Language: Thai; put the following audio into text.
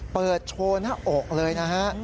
เปิดโชว์หน้าอกเลยนะฮะ